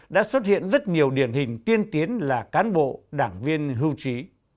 đã xuất hiện rất nhiều điển hình tiên tiến là cán bộ đảng viên hưu trí